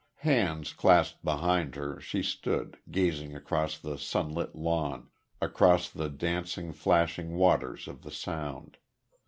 Hands clasped behind her she stood, gazing across the sunlit lawn across the dancing, flashing waters of the Sound.